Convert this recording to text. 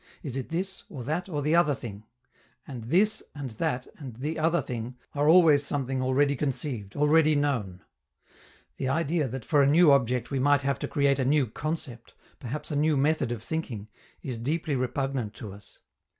Is it this, or that, or the other thing? And "this," and "that," and "the other thing" are always something already conceived, already known. The idea that for a new object we might have to create a new concept, perhaps a new method of thinking, is deeply repugnant to us.